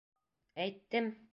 Әйттем...